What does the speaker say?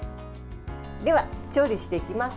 では、調理していきます。